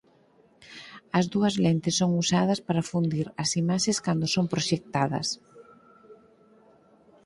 As dúas lentes son usadas para fundir as imaxes cando son proxectadas.